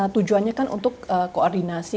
tujuannya kan untuk koordinasi